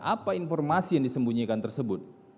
apa informasi yang disembunyikan tersebut